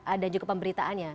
ada juga pemberitaannya